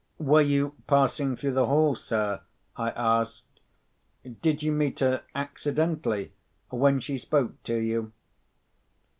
"Were you passing through the hall, sir?" I asked. "Did you meet her accidentally, when she spoke to you?"